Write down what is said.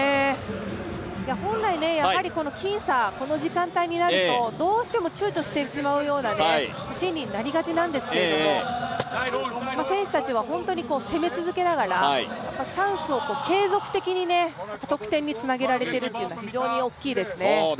本来、僅差、この時間帯になるとどうしてもちゅうちょしてしまうような心理になりがちなんですけれども選手たちは本当に攻め続けながらチャンスを継続的に得点につなげられているというのは非常に大きいですね。